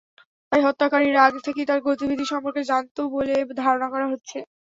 তাই হত্যাকারীরা আগে থেকেই তাঁর গতিবিধি সম্পর্কে জানত বলে ধারণা করা হচ্ছে।